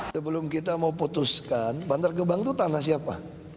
sebelum kita mau putuskan bantar gebang itu tanah siapa